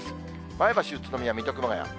前橋、宇都宮、水戸、熊谷。